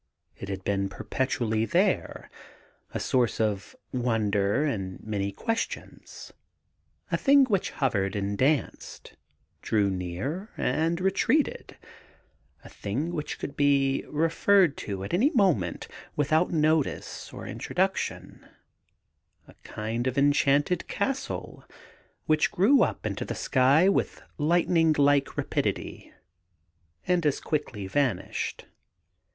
It had been perpetually there — a source of wonder and many ques tions — a thing which hovered and danced, drew near and retreated, a thing which could be referred to at any moment with out notice or introduction, a kind of enchanted castle which grew up into the sky mth lightning like rapidity, and as quickly vanished.